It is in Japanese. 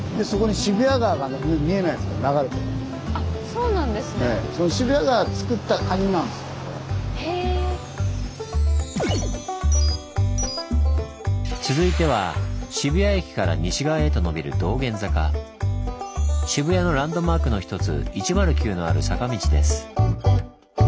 渋谷のランドマークの一つ「１０９」のある坂道です。